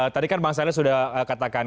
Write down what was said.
tadi kan bang saleh sudah katakan